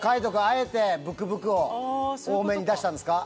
あえてブクブクを多めに出したんですか？